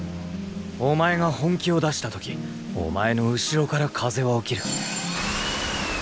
お前が本気を出した時お前の後ろから風は起きる。